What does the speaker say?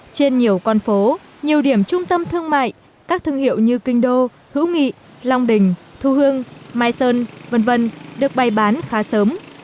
trên nhiều con phố nhiều điểm trung tâm thương mại các thương hiệu như kinh đô hữu nghị long đình thu hương mai sơn v v được bày bán khá sớm